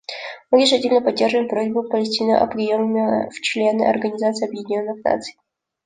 Мы решительно поддерживаем просьбу Палестины о приеме в члены Организации Объединенных Наций.